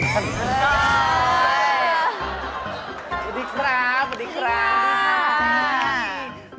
เฮ่ยสวัสดีครับสวัสดีครับสวัสดีครับสวัสดีครับสวัสดีครับ